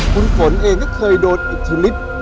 คุณฝนเองก็เคยโดนอิตทิฬิส